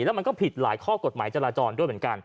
แล้วมันก็ผิดหลายข้อกฎหมายจราจรด้วยเหมือนกัน